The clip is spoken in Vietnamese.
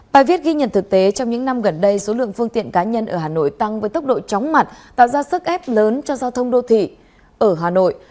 bài viết ghi nhận thực tế trong những năm gần đây số lượng phương tiện cá nhân ở hà nội tăng với tốc độ chóng mặt tạo ra sức ép lớn cho giao thông đô thị ở hà nội